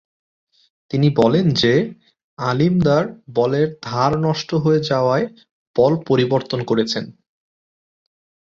তিনি বলেন যে, আলীম দার বলের ধার নষ্ট হয়ে যাওয়ায় বল পরিবর্তন করেছেন।